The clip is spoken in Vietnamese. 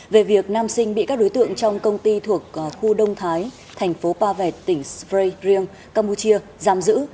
về việc nam sinh bị các đối tượng trong công ty thuộc khu đông thái thành phố pa vẹt tỉnh sprey riêng campuchia giam giữ